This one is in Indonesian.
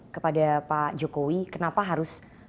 kepada pak jokowi kenapa harus